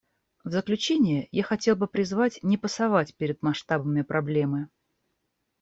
В заключение я хотел бы призвать не пасовать перед масштабами проблемы.